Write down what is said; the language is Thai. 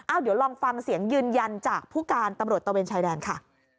เดี๋ยวลองฟังเสียงยืนยันจากผู้การตำรวจตะเวนชายแดนค่ะ